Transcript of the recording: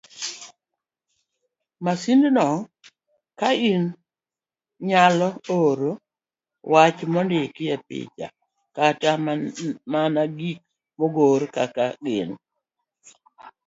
Masindno kien nyalo oro weche mondiki, piche, kata mana gik mogor kaka gin.